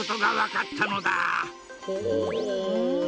ほう！